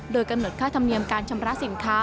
โดยกำหนดค่าธรรมเนียมการชำระสินค้า